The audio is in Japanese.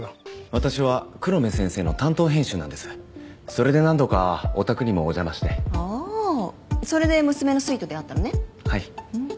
私は黒目先生の担当編集なんですそれで何度かお宅にもお邪魔してああーそれで娘のすいと出会ったのねはいふーん